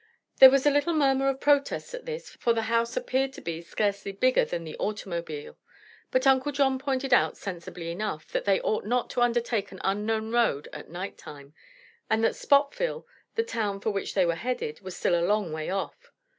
There was a little murmur of protest at this, for the house appeared to be scarcely bigger than the automobile. But Uncle John pointed out, sensibly enough, that they ought not to undertake an unknown road at nighttime, and that Spotville, the town for which they were headed, was still a long way off.